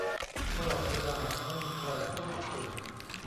ตลอดเวลาไม่มีใครพูดอังกฤษ